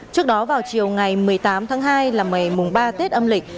trước đó vào chiều ngày một mươi tám tháng hai là ngày mùng ba tết âm lịch